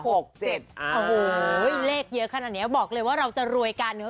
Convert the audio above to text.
โอ้โหเลขเยอะขนาดนี้บอกเลยว่าเราจะรวยกันเนอะ